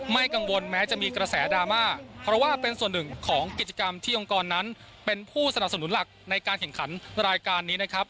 ไม่กังวลแม้จะมีกระแสดราม่าเพราะว่าเป็นส่วนหนึ่งของกิจกรรมที่องค์กรนั้นเป็นผู้สนับสนุนหลักในการแข่งขันรายการนี้นะครับ